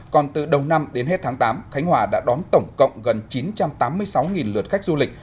còn từ đầu năm đến hết tháng tám khánh hòa đã đón tổng cộng gần chín trăm tám mươi sáu lượt khách du lịch